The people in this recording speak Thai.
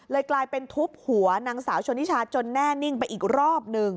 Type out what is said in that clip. กลายเป็นทุบหัวนางสาวชนนิชาจนแน่นิ่งไปอีกรอบหนึ่ง